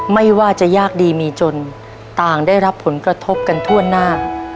ไม่ว่าจะยากดีมีจนต่างได้รับผลกระทบกันทั่วหน้า